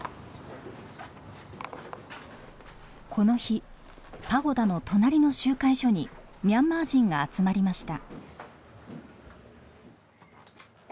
この日パゴダの隣の集会所にミャンマー人が集まりました。